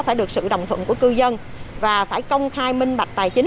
phải được sự đồng thuận của cư dân và phải công khai minh bạch tài chính